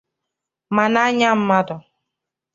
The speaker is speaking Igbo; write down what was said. ma n'anya mmadụ